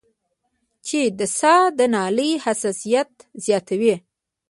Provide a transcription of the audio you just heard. چې د ساه د نالۍ حساسيت زياتوي